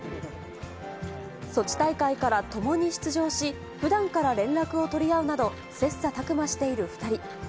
ソチ大会から共に出場し、ふだんから連絡を取り合うなど、切さたく磨している２人。